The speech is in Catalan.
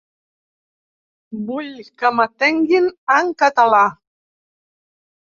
Vull que m'atenguin en català.